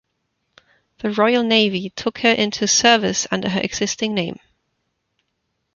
The Royal Navy took her into service under her existing name.